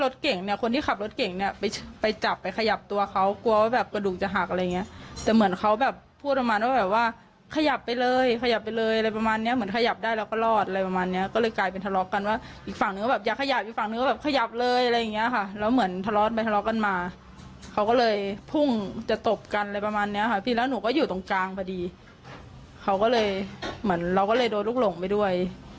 โดนลูกหลงกลางพอดีเขาก็เลยเหมือนเราก็เลยโดนลูกหลงไปด้วย